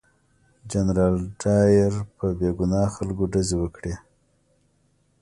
جنرال ډایر په بې ګناه خلکو ډزې وکړې.